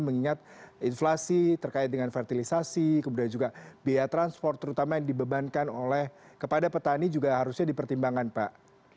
mengingat inflasi terkait dengan fertilisasi kemudian juga biaya transport terutama yang dibebankan oleh kepada petani juga harusnya dipertimbangkan pak